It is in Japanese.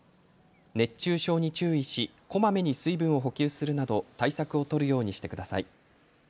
熱中症に注意し、こまめに水分を補給するなど対策を取るようにしてください。